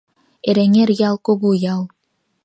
Эреҥер ял — кугу ял.